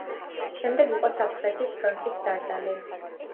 შემდეგ იყო სამხრეთის ფრონტის სარდალი.